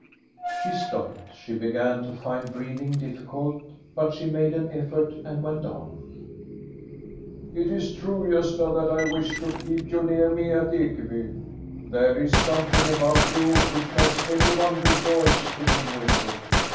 She stopped. She began to find breathing difficult ; but she made an effort and went on :—" It is true, Gosta, that I wished to keep you near me at Ekeby. There is something about you which makes every one rejoice to be with you.